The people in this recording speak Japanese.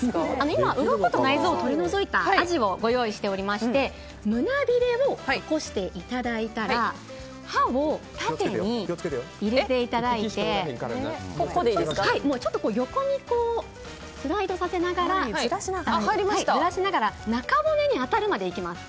今、うろこと内臓を取り除いたアジをご用意していまして胸びれを起こしていただいたら刃を縦に入れていただいて横にスライドさせながらずらしながら中骨に当たるまでいきます。